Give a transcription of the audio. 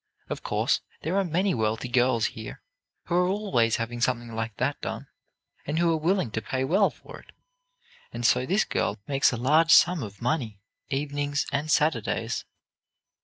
Of course, there are many wealthy girls here who are always having something like that done, and who are willing to pay well for it. And so this girl makes a large sum of money, evenings and Saturdays.